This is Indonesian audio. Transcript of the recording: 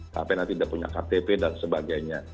sampai nanti tidak punya ktp dan sebagainya